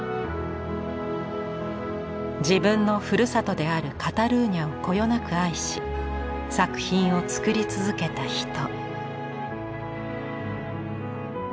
自分のふるさとであるカタルーニャをこよなく愛し作品を作り続けた人。